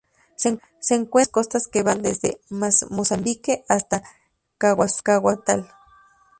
Se encuentran en las costas que van desde Mozambique hasta KwaZulu-Natal.